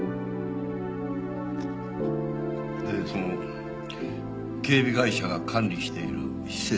でその警備会社が管理している施設は？